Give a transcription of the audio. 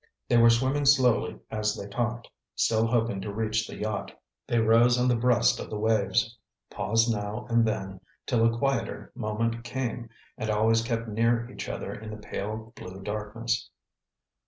They were swimming slowly as they talked, still hoping to reach the yacht. They rose on the breast of the waves, paused now and then till a quieter moment came, and always kept near each other in the pale blue darkness.